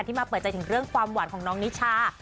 มาเปิดใจถึงเรื่องความหวานของน้องนิชา